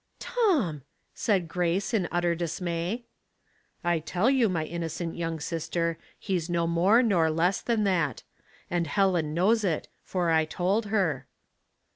" Tom !" said Grace, in utter dismay. " I tell you, my innocent young sister, he's no more nor less than that; and Helen knows it, for I told her."